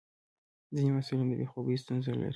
ځینې محصلین د بې خوبي ستونزه لري.